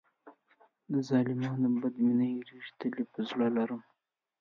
د ظالمانو بد مې نه هېرېږي، تل یې په زړه لرم.